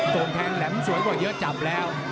โดนแทงแหลมสวยกว่าเยอะจับแล้ว